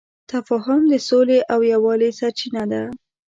تفاهم د سولې او یووالي سرچینه ده.